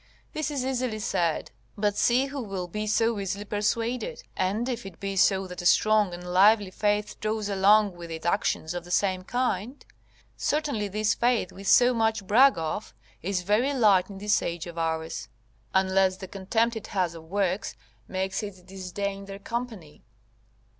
This is easily said, but see who will be so easily persuaded; and if it be so that a strong and lively faith draws along with it actions of the same kind, certainly this faith we so much brag of, is very light in this age of ours, unless the contempt it has of works makes it disdain their company.